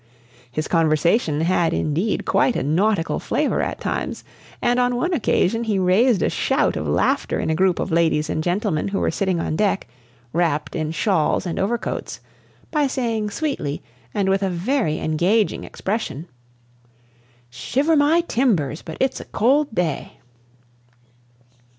His conversation had, indeed, quite a nautical flavor at times, and on one occasion he raised a shout of laughter in a group of ladies and gentlemen who were sitting on deck, wrapped in shawls and overcoats, by saying sweetly, and with a very engaging expression: "Shiver my timbers, but it's a cold day!"